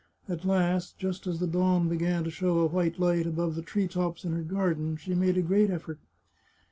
At last, just as the dawn began to show a white light above the tree tops in her garden, she made a great effort.